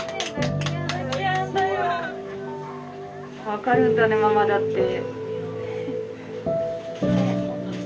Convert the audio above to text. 分かるんだねママだって。